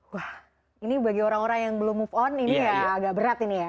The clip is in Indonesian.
wah ini bagi orang orang yang belum move on ini ya agak berat ini ya